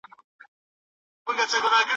تاسو زکات په پوره اخلاص ورکړئ.